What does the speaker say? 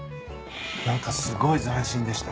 何かすごい斬新でした。